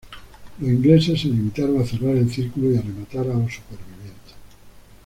Los ingleses se limitaron a cerrar el círculo y a rematar a los supervivientes.